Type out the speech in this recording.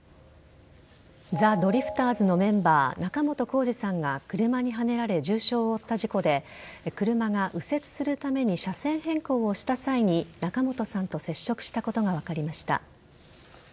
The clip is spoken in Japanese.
ザ・ドリフターズのメンバー仲本工事さんが車にはねられ重傷を負った事故で車が右折するために車線変更をした際に仲本さんと接触したことが分かりました。